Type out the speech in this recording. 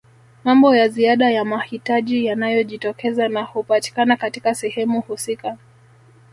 Mambo ya ziada ya mahitaji yanayojitokeza na hupatikana katika sehemu husika